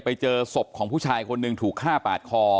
ไปเจอศพของผู้ชายคนหนึ่งถูกฆ่าปาดคอ